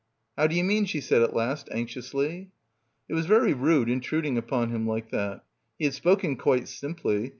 "How do you mean?" she said at last anxiously. It was very rude intruding upon him like that. He had spoken quite simply.